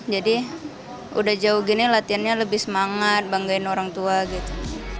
jadi udah jauh gini latihannya lebih semangat banggain orang tua gitu